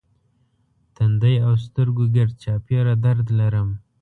تندی او سترګو ګرد چاپېره درد لرم.